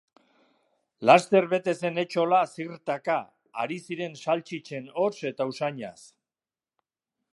Laster bete zen etxola zirtaka ari ziren saltxitxen hots eta usainaz.